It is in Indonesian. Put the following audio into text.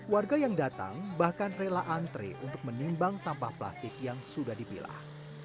warga yang datang bahkan rela antre untuk menimbang sampah plastik yang sudah dipilah